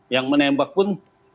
yang menembak pun